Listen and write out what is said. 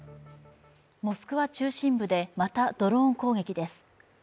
モスクワ中心部でまたドローン攻撃です。